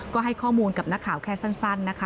ก็ให้ข้อมูลกับนักข่าวแค่สั้นนะคะ